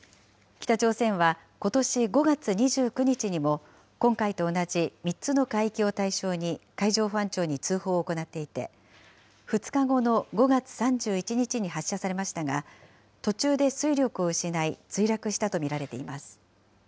北朝鮮はことし５月２９日にも、今回と同じ３つの海域を対象に海上保安庁に通報を行っていて、２日後の５月３１日に発射されましたが、途中で推力を失い、墜落したと見られています。